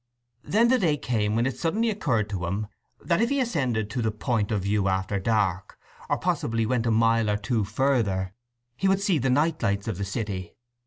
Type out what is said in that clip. Then the day came when it suddenly occurred to him that if he ascended to the point of view after dark, or possibly went a mile or two further, he would see the night lights of the city.